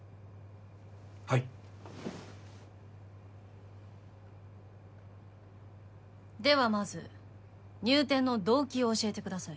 はいではまず入店の動機を教えてください